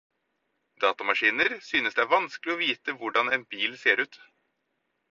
Datamaskiner synes det er vanskelig å vite hvordan en bil ser ut.